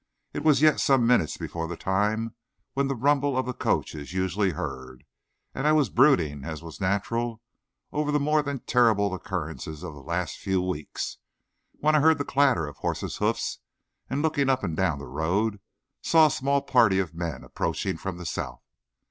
It was yet some minutes before the time when the rumble of the coach is usually heard, and I was brooding, as was natural, over the more than terrible occurrences of the last few weeks, when I heard the clatter of horses' hoofs, and looking up and down the road, saw a small party of men approaching from the south.